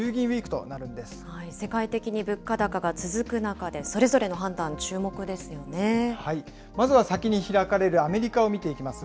世界的に物価高が続く中で、まずは先に開かれるアメリカを見ていきます。